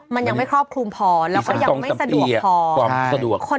มันยังไม่ครอบคลุมพอแล้วก็ยังไม่สะดวกพอความสะดวก